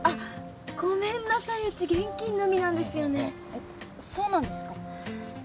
えっそうなんですか？